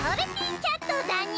キャットだにゃ！